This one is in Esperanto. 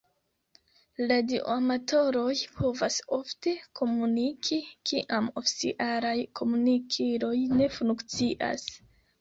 Radioamatoroj povas ofte komuniki, kiam oficialaj komunikiloj ne funkcias.